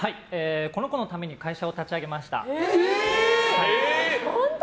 この子のために会社を立ち上げました。